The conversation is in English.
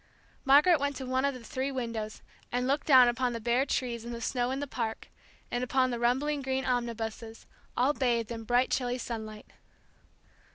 Margaret went to one of the three windows, and looked down upon the bare trees and the snow in the park, and upon the rumbling green omnibuses, all bathed in bright chilly sunlight.